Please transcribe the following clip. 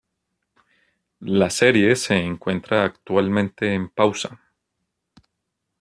La serie se encuentra actualmente en pausa.